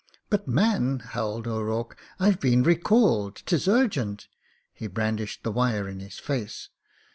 "But, man !" howled O'Rourke, "Fve been recalled. Tis urgent !" He brandished the wire in his face.